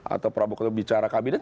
atau prabowo kalau bicara kabinet